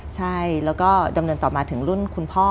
ใช่แล้วก็ดำเนินต่อมาถึงรุ่นคุณพ่อ